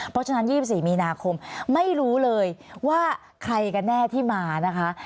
เพราะฉะนั้น๒๔มีนาคมไม่รู้เลยว่าใครกันแน่ที่มานะคะ